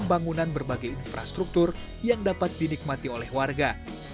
pembangunan berbagai infrastruktur yang dapat dinikmati oleh warga